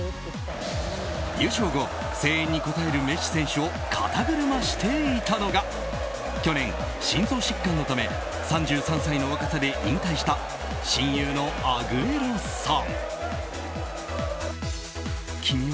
優勝後、声援に応えるメッシ選手を肩車していたのが去年、心臓疾患のため３３歳の若さで引退した親友のアグエロさん。